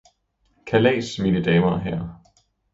Kallas, mine damer og herrer!